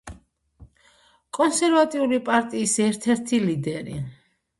კონსერვატიული პარტიის ერთ-ერთი ლიდერი.